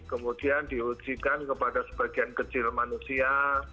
kemudian diujikan kepada sebagian kecil manusia